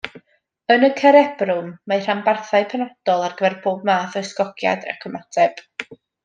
Yn y cerebrwm, mae rhanbarthau penodol ar gyfer pob math o ysgogiad ac ymateb.